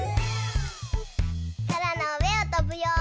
そらのうえをとぶよ。